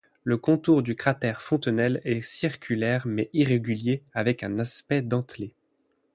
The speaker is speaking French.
Le contour du cratère Fontenelle est circulaire mais irrégulier avec un aspect dentelé.